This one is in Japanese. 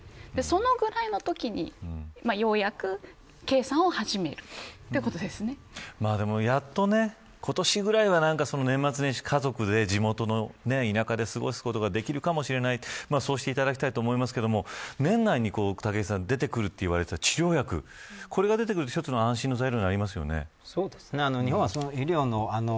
そのくらいの時にようやく計算を始めるでも、やっと今年ぐらいは年末年始、家族で地元の田舎で過ごすことができるかもしれないそうしていただきたいと思いますけど年内に出てくると言われていた治療薬これが出てくると一つの安心材料になりますよね。